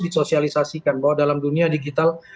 disosialisasikan bahwa dalam dunia digital